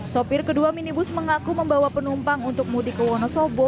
sopir kedua minibus mengaku membawa penumpang untuk mudik ke wonosobo